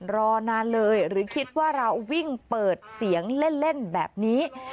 รอนานเลยหรือคิดว่าเราวิ่งเปิดเสียงเล่นแบบนี้